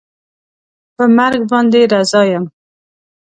په مرګ باندې رضا یم